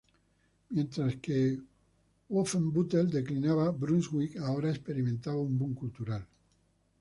Mientras que Wolfenbüttel declinaba, Brunswick ahora experimentaba un boom cultural.